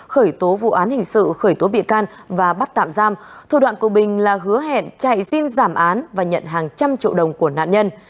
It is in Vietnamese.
khởi tố vụ án hình sự khởi tố bị can và bắt tạm giam thủ đoạn của bình là hứa hẹn chạy xin giảm án và nhận hàng trăm triệu đồng của nạn nhân